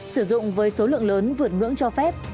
sử dụng với số lượng lớn vượt ngưỡng cho phép